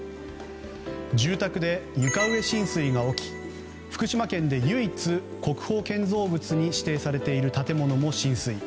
住宅で床上浸水が起き福島県で唯一、国宝建造物に指定されている建物も浸水。